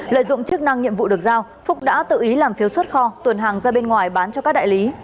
lợi dụng chức năng nhiệm vụ được giao phúc đã tự ý làm phiếu xuất kho tuần hàng ra bên ngoài bán cho các đại lý